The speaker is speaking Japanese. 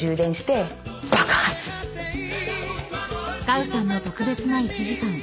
［ガウさんの特別な１時間］